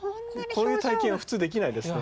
こういう体験は普通できないですね。